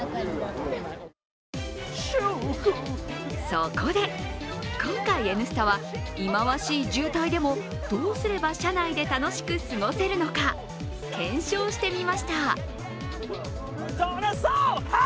そこで、今回「Ｎスタ」は忌まわしい渋滞でもどうすれば車内で楽しく過ごせるのか検証してみました。